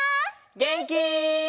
げんき？